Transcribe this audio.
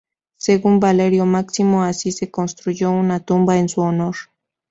Según Valerio Máximo, allí se construyo una tumba en su honor.